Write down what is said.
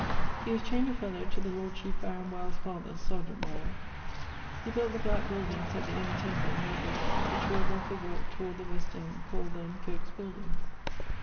He was chamber fellow to the Lord Chiefe Baron Wyld's father (Serjeant Wyld[CN]). He built the black buildings at the Inner Temple (now burn't) which were above the walke toward the west end, called then 'Coke's buildings.'